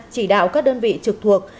chỉ đạo các đơn vị trực thuộc